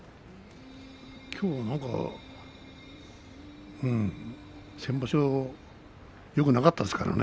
きょうは何か先場所よくなかったですからね。